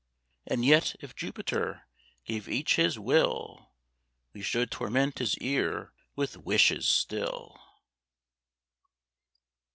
And yet, if Jupiter gave each his will, We should torment his ear with wishes still.